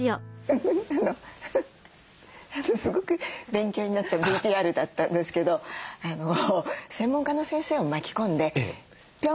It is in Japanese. すごく勉強になったＶＴＲだったんですけど専門家の先生を巻き込んでピョンとかですね。